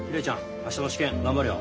明日の試験頑張れよ。